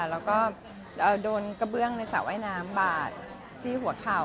แล้วก็โดนกระเบื้องในสระว่ายน้ำบาดที่หัวเข่า